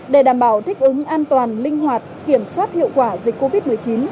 để đảm bảo thích ứng an toàn linh hoạt kiểm soát hiệu quả dịch covid một mươi chín